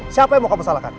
siapa yang mau kamu salahkan